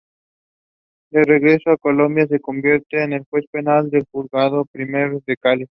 De regreso a Colombia se convierte en Juez penal del juzgado primero de Cali.